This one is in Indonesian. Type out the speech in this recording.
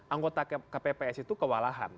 anggota kpps itu kewalahan